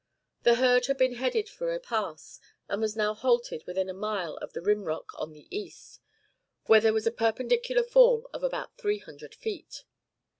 The herd had been headed for a pass, and was now halted within a mile of the rim rock on the east, where there was a perpendicular fall of about three hundred feet.